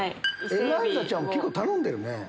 エライザちゃん結構頼んでる。